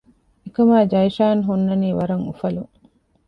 އެކަމާ ޖައިޝާން ހުންނަނީ ވަރަށް އުފަލުން